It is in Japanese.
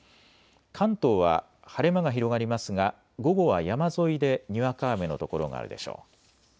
関東は晴れ間が広がりますが午後は山沿いで、にわか雨の所があるでしょう。